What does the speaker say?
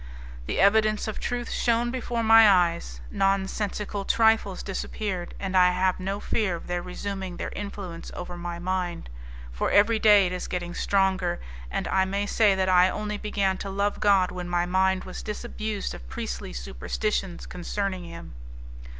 The evidence of truth shone before my eyes, nonsensical trifles disappeared, and I have no fear of their resuming their influence over my mind, for every day it is getting stronger; and I may say that I only began to love God when my mind was disabused of priestly superstitions concerning Him."